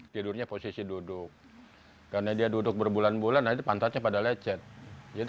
tidurnya posisi duduk karena dia duduk berbulan bulan itu pantatnya pada lecet jadi